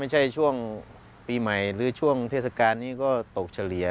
ช่วงปีใหม่หรือช่วงเทศกาลนี้ก็ตกเฉลี่ย